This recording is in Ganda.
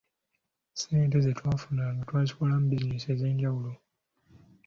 Ssente ze twafunanga twazikolamu bizinensi ezenjawulo.